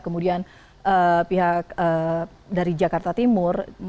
kemudian pihak dari jakarta timur